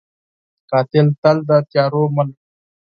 قاتل تل د تیارو مل وي